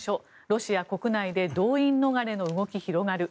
ロシア国内で動員逃れの動き広がる。